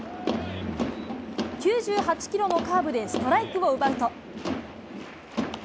９８キロのカーブでストライクを奪うと。